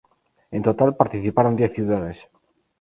En total, participaron diez ciudades.